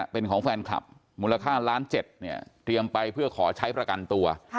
เป็นของแฟนคลับมูลค่าล้าน๗เนี่ยเตรียมไปเพื่อขอใช้ประกันตัว